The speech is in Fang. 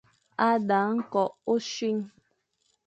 A dang nkok, ochuin.